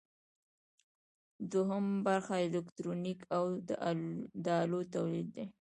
دوهم برخه الکترونیک او د الو تولید دی.